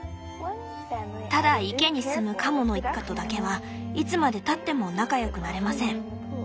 「ただ池に住むカモの一家とだけはいつまでたっても仲良くなれません。